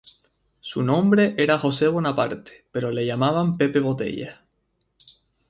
Su nombre era José Bonaparte, pero le llamaban Pepe Botella.